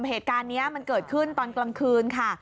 เหตุการณ์นี้มันเกิดขึ้นตอนกลางคืนค่ะ